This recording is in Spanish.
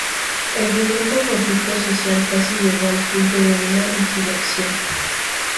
El violento conflicto social casi llegó al punto de una insurrección.